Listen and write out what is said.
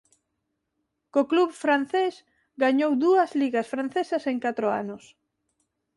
Co club francés gañou dúas ligas francesas en catro anos.